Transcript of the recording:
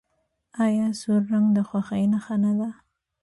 آیا سور رنګ د خوښۍ نښه نه ده؟